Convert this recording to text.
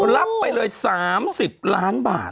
รับไปเลย๓๐ล้านบาท